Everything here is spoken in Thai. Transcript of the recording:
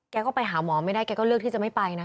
แกก็ไปหาหมอไม่ได้แกก็เลือกที่จะไม่ไปนะ